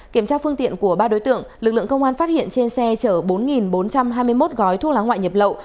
kiểm tra phương tiện của ba đối tượng lực lượng công an phát hiện trên xe chở bốn bốn trăm hai mươi một gói thuốc lá ngoại nhập lậu